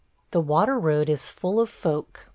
... The water road is full of folk.